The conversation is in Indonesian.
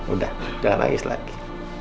udah jangan nangis lagi